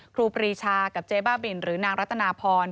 ครูปรีชากับเจ๊บ้าบินหรือนางรัตนาพร